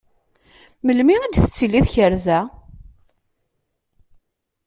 Melmi i d-tettili tkerza?